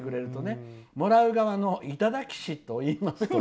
もらう側はいただき師といいます。